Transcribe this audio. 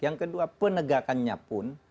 yang kedua penegakannya pun